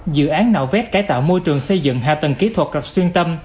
dự án nạo vét cải tạo môi trường xây dựng hạ tầng kỹ thuật rạch xuyên tâm